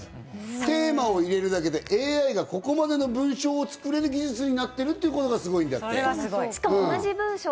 テーマを入れるだけでＡＩがここまでの文章をつくれることになったということがすごいんです。